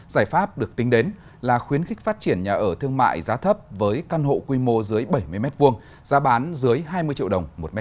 giải pháp được tính đến là khuyến khích phát triển nhà ở thương mại giá thấp với căn hộ quy mô dưới bảy mươi m hai giá bán dưới hai mươi triệu đồng một m hai